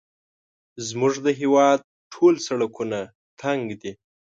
زموږ د هېواد ټوله سړکونه تنګ دي